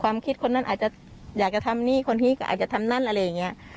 ความคิดคนนั้นอาจจะอยากจะทำนี่ความคิดอาจจะทำนั่นอะไรอย่างเงี้ย